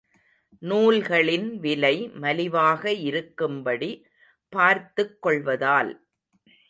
நூல்களின் விலை மலிவாக இருக்கும்படி பார்த்துக் கொள்வதால்.